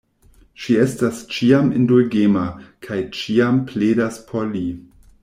Ŝi estas ĉiam indulgema, kaj ĉiam pledas por li.